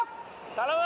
頼む！